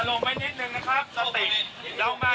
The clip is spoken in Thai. ขอเก็บอารมณ์ไว้นิดหนึ่งนะครับทราบมันครับ